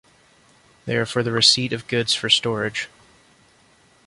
They are for the receipt of goods for storage.